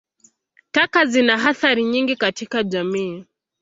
Taka zina athari nyingi katika jamii.